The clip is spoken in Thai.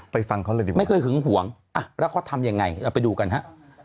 ไปฟังเขาเลยไม่เคยหึงหวงอ่ะแล้วเขาทำอย่างง่ายเราไปดูกันหะ